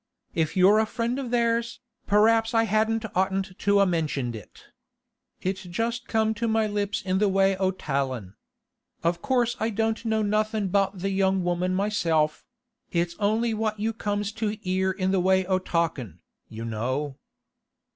If you're a friend of theirs, p'r'aps I hadn't oughtn't to a' mentioned it. It just come to my lips in the way o' tallin'. Of course I don't know nothin' about the young woman myself; it's only what you comes to 'ear in the way o' talkin', you know.